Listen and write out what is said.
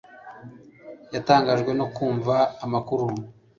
Yatangajwe no kumva amakuru